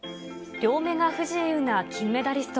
両目が不自由な金メダリスト。